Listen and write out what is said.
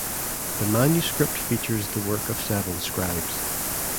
The manuscript features the work of seven scribes.